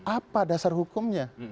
apa dasar hukumnya